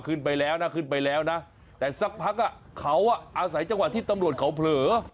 ขึ้นไปแล้วนะขึ้นไปแล้วนะแต่สักพักอ่ะเขาอาศัยจังหวะที่ตำรวจเขาเผลอ